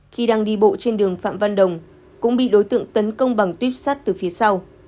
khi đang đi bộ trên đường phạm văn đồng cũng bị đối tượng tấn công bằng tuyếp sắt từ phía sau